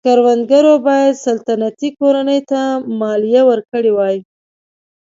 کروندګرو باید سلطنتي کورنۍ ته مالیه ورکړې وای.